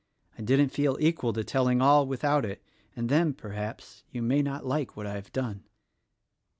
I didn't feel equal to telling all without it — and then, perhaps, you may not like what I have done."